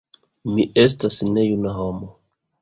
Mi estas nejuna homo.